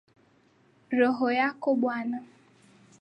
Roho yako bwana